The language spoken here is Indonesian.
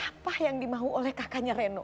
apa yang dimau oleh kakaknya reno